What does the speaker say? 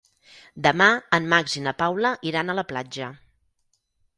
Demà en Max i na Paula iran a la platja.